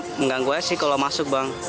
ya mengganggu aja sih kalau masuk bang